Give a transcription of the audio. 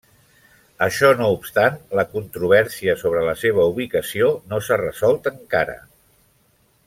Això no obstant, la controvèrsia sobre la seva ubicació no s'ha resolt encara.